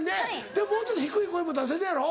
でももうちょっと低い声も出せんのやろ。